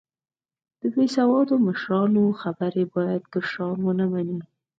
د بیسیواده مشرانو خبرې باید کشران و نه منې